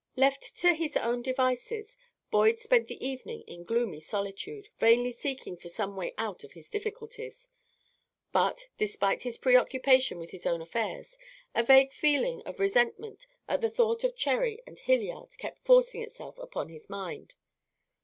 Left to his own devices, Boyd spent the evening in gloomy solitude, vainly seeking for some way out of his difficulties. But, despite his preoccupation with his own affairs, a vague feeling of resentment at the thought of Cherry and Hilliard kept forcing itself upon his mind.